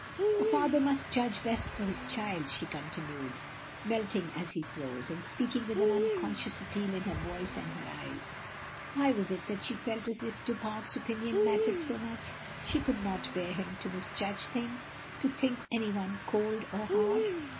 "A father must judge best for his child," she continued, melting as he froze, and speaking with an unconscious appeal in her voice and her eyes. Why was it that she felt as if Du Fare's opinion mattered so much? She could not bear him to misjudge things; to think any one cold, or hard.